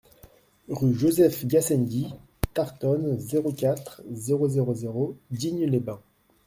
Rue Joseph Gassendy Tartonne, zéro quatre, zéro zéro zéro Digne-les-Bains